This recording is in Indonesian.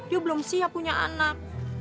dia belum siap punya anak